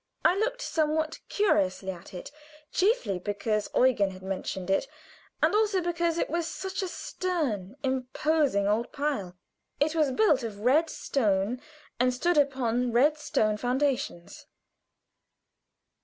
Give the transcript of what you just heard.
I looked somewhat curiously at it, chiefly because Eugen had mentioned it, and also because it was such a stern, imposing old pile. It was built of red stone, and stood upon red stone foundations.